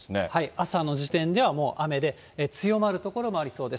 朝の時点ではもう雨で、強まる所もありそうです。